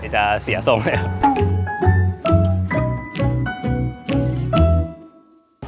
จะเสียทรงนะครับ